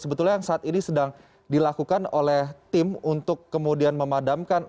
sebetulnya yang saat ini sedang dilakukan oleh tim untuk kemudian memadamkan